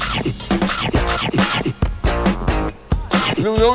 กะล่ำ๒๐บาทซุ่มมาก